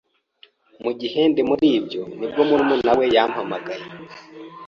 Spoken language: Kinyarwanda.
mu gihe ndi muri ibyo nibwo murumuna we yampamagaye